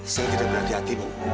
saya tidak berhati hati bu